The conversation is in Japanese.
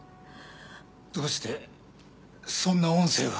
どうしてそんな音声が。